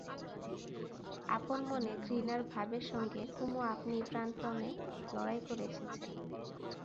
আপন মনে ঘৃণার ভাবের সঙ্গে কুমু আপনিই প্রাণপণে লড়াই করে এসেছে।